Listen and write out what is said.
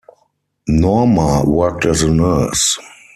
Norma worked as a nurse.